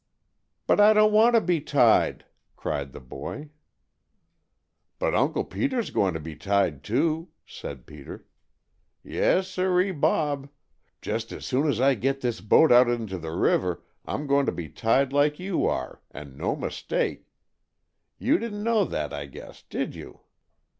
"But I don't want to be tied!" cried the boy. "But Uncle Peter's going to be tied, too," said Peter. "Yes, siree, Bob! Just as soon as I get this boat out into the river, I'm going to be tied like you are, and no mistake. You didn't know that, I guess, did you?"